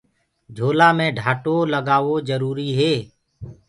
جھولآ مي ڍآٽو لگآوو جروُريٚ هي۔